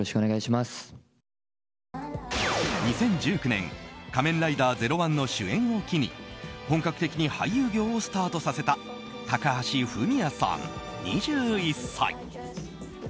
２０１９年「仮面ライダーゼロワン」の主演を機に本格的に俳優業をスタートさせた高橋文哉さん、２１歳。